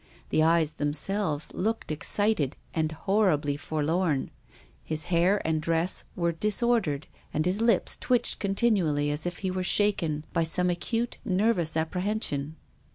The eyes themselves looked excited and horribly forlorn. His hair and dress were disordered and his lips twitched continually, as if he were shaken by some acute nervous apprehension.